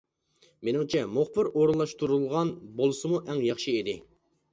مېنىڭچە مۇخبىر ئورۇنلاشتۇرۇلغان بولسىمۇ ئەڭ ياخشى ئىدى.